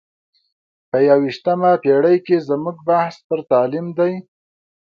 په یو ویشتمه پېړۍ کې زموږ بحث پر تعلیم دی.